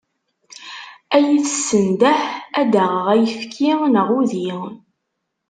Ad iyi-tessendeh ad d-aɣeɣ ayefki neɣ udi.